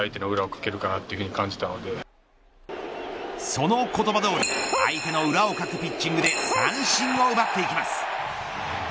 その言葉どおり相手の裏をかくピッチングで三振を奪っていきます。